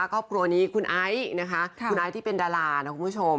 ครอบครัวนี้คุณไอซ์นะคะคุณไอซ์ที่เป็นดารานะคุณผู้ชม